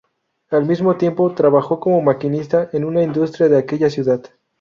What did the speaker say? Al mismo tiempo, trabajó como maquinista en una industria de aquella ciudad.